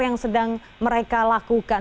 yang sedang mereka lakukan